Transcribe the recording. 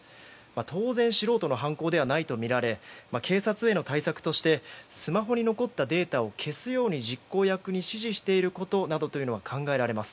当然素人の犯行ではないとみられ警察への対策としてスマホに残ったデータを消すように実行役に指示していることなどというのは考えられます。